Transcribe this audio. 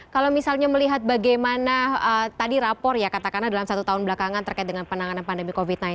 kalau misalnya melihat bagaimana tadi rapor ya katakanlah dalam satu tahun belakangan terkait dengan penanganan pandemi covid sembilan belas